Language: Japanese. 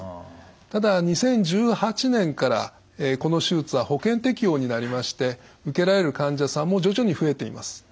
ただ２０１８年からこの手術は保険適用になりまして受けられる患者さんも徐々に増えています。